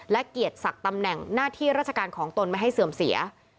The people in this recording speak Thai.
และเกียรติศักดิ์ตำแหน่งหน้าที่ราชการของตนไม่ให้เสื่อมเสีย